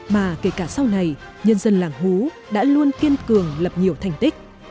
mà kể cả sau này nhân dân làng hú đã luôn kiên cường lập nhiều thành tích